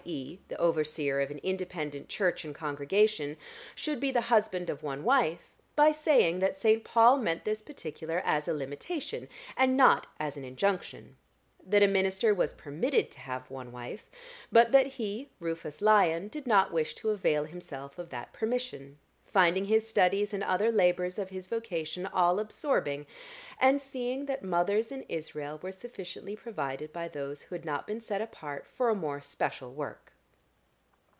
e._, the overseer of an Independent church and congregation should be the husband of one wife, by saying that St. Paul meant this particular as a limitation, and not as an injunction; that a minister was permitted to have one wife, but that he, Rufus Lyon, did not wish to avail himself of that permission, finding his studies and other labors of his vocation all absorbing, and seeing that mothers in Israel were sufficiently provided by those who had not been set apart for a more special work.